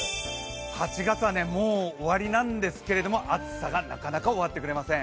８月はもう終わりなんですけれども、暑さが、なかなか終わってくれません。